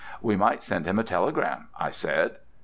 "We might send him a telegram," I said.